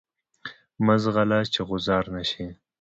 مه ځغله چی غوځار نه شی.